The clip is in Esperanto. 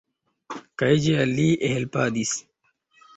Kaj ĝi al li helpadis.